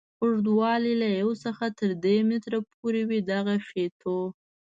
اوږدوالی یې له یوه څخه تر درې متره پورې وي دغه فیتو.